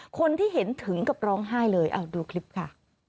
คนที่เห็นถึงกับร้องไห้เลยเอาดูคลิปค่ะ